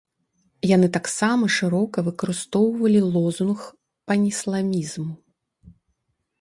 Яны таксама шырока выкарыстоўвалі лозунгі панісламізму.